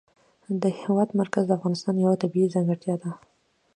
د هېواد مرکز د افغانستان یوه طبیعي ځانګړتیا ده.